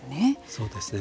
そうですね。